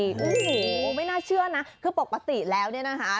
โอ้โหไม่น่าเชื่อนะคือปกติแล้วเนี่ยนะคะ